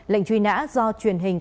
lệnh truy nã do truyền hình